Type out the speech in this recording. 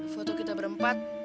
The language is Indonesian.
foto kita berempat